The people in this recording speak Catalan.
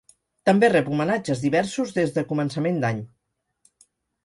També rep homenatges diversos des de començament d’any.